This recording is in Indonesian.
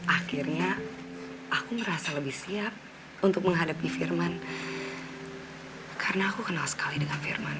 akhirnya aku merasa lebih siap untuk menghadapi firman karena aku kenal sekali dengan firman